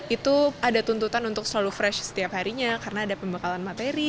itu ada tuntutan untuk selalu fresh setiap harinya karena ada pembekalan materi